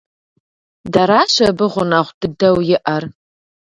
Дэращ абы нэхъ гъунэгъу дыдэу иӀэр.